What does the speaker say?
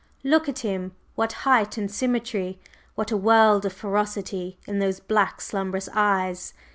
"Look at him! What height and symmetry! What a world of ferocity in those black, slumbrous eyes!